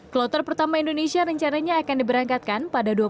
kloter pertama indonesia rencananya akan diberangkatkan